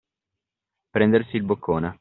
Prendersi il boccone.